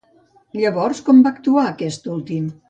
Llavors, com va actuar aquest últim?